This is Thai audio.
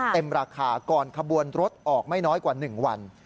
เต็มราคาก่อนขบวนรถออกไม่น้อยกว่า๑วัน